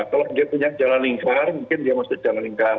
kalau dia punya jalan lingkar mungkin dia masih jalan lingkar